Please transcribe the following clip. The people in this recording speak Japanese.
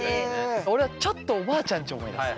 俺はちょっとおばあちゃんち思い出す。